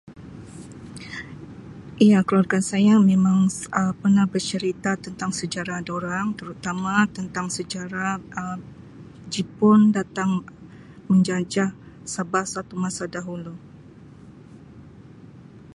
Iya keluarga saya memang Um pernah bercerita tentang sejarah dorang terutama tentang sejarah Um Jipun datang menjajah Sabah satu masa dahulu.